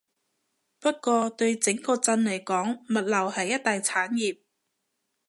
不過對整個鎮嚟講，物流係一大產業